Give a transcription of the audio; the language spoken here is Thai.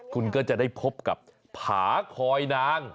คุณก็จะได้พบกับผาคอยนาง